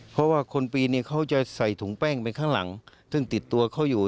เพราะว่าคนปีนเนี่ยเขาจะใส่ถุงแป้งไปข้างหลังซึ่งติดตัวเขาอยู่